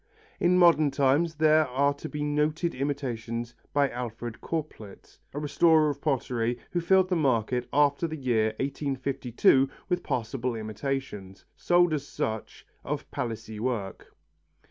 In modern times there are to be noted imitations by Alfred Corplet, a restorer of pottery who filled the market after the year 1852 with passable imitations, sold as such, of Palissy work.